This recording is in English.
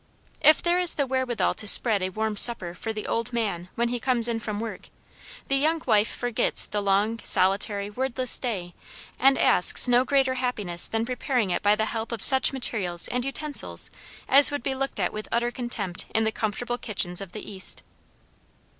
If there is the wherewithal to spread a warm supper for the "old man" when he comes in from work, the young wife forgets the long, solitary, wordless day and asks no greater happiness than preparing it by the help of such materials and utensils as would be looked at with utter contempt in the comfortable kitchens of the East.